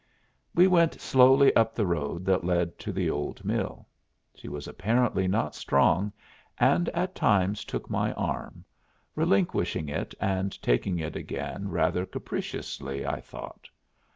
We went slowly up the road that led to the Old Mill. She was apparently not strong and at times took my arm, relinquishing it and taking it again rather capriciously, I thought.